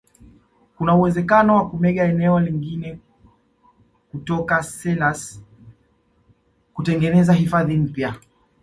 kuna uwezekano wa kumega eneo lingine kutoka selous kutengeneza hifadhi mpya